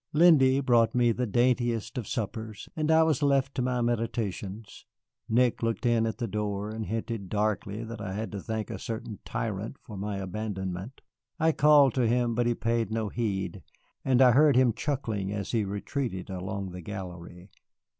Lindy brought me the daintiest of suppers, and I was left to my meditations. Nick looked in at the door, and hinted darkly that I had to thank a certain tyrant for my abandonment. I called to him, but he paid no heed, and I heard him chuckling as he retreated along the gallery.